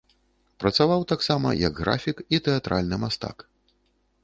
Працаваў таксама як графік і тэатральны мастак.